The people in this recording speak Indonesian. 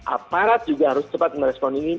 aparat juga harus cepat merespon ini